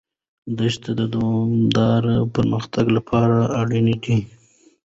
دښتې د دوامداره پرمختګ لپاره اړینې دي.